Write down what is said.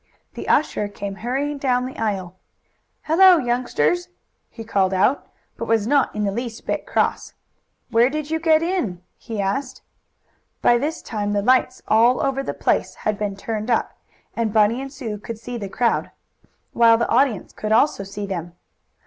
The usher came hurrying down the aisle. "Hello, youngsters!" he called out, but he was not in the least bit cross. "Where did you get in?" he asked. By this time the lights all over the place had been turned up, and Bunny and Sue could see the crowd, while the audience could also see them.